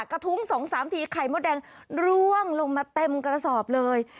กระทุ้ง๒๓ทีไข่มดแดงร่วงลงมาเต็มกระสอบเลย